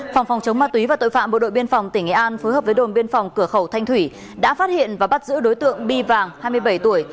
phòng phòng chống ma túy và tội phạm bộ đội biên phòng tỉnh nghệ an phối hợp với đồn biên phòng cửa khẩu thanh thủy đã phát hiện và bắt giữ đối tượng bi vàng hai mươi bảy tuổi